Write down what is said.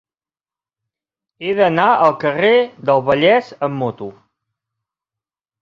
He d'anar al carrer del Vallès amb moto.